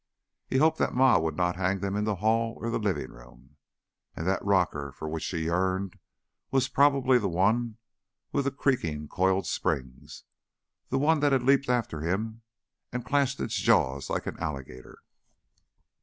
He hoped that Ma would not hang them in the hall or the living room. And that rocker, for which she yearned, was probably the one with the creaking coiled springs the one that had leaped after him and clashed its jaws like an alligator.